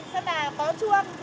xem là có chuông